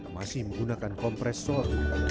masih menggunakan kompresor